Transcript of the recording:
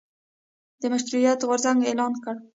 د مشروطیت غورځنګ اعلان کړ.